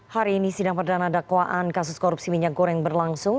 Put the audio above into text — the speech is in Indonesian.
hari ini sidang perdana dakwaan kasus korupsi minyak goreng berlangsung